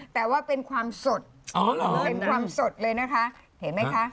แต่ว่าเป็นความสดเป็นความสดเลยนะคะเห็นไหมคะ